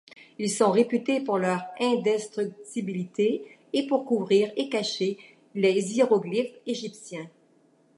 Ils sont réputés pour leur indestructibilité et pour couvrir et cacher les hiéroglyphes égyptiens.